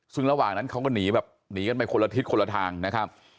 ซึ่งระหว่างนั้นเขาก็หนีแบบหนีกันไปคนละทิศคนละทางนะครับ